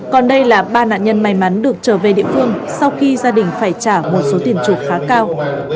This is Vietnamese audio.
còn đây là ba nạn nhân may mắn được trở về địa phương sau khi gia đình phải trả một số tiền chuộc khá cao